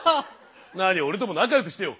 なに俺とも仲良くしてよ。